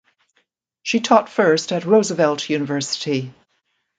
She taught first at Roosevelt University.